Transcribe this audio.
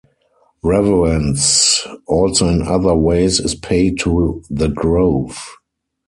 Reverence also in other ways is paid to the grove.